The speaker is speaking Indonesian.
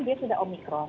dia sudah omikron